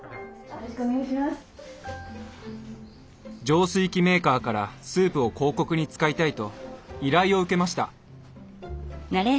浄水器メーカーからスープを広告に使いたいと依頼を受けました。